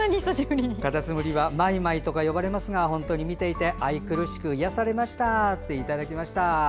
カタツムリはマイマイとか呼ばれますが本当に見ていて愛くるしく、癒やされました。